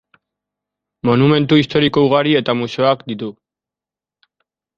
Monumentu historiko ugari eta museoak ditu.